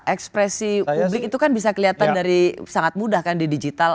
ekspresi publik itu kan bisa kelihatan dari sangat mudah kan di digital